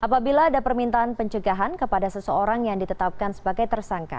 apabila ada permintaan pencegahan kepada seseorang yang ditetapkan sebagai tersangka